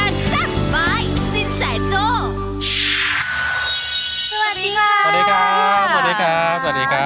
สวัสดีค่ะสวัสดีค่ะสวัสดีค่ะสวัสดีค่ะสวัสดีค่ะสวัสดีค่ะ